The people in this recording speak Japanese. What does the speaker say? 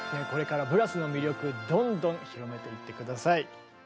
これからブラスの魅力どんどん広めていって下さい。